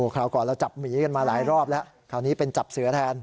คราวก่อนเราจับหมีกันมาหลายรอบแล้วคราวนี้เป็นจับเสือแทน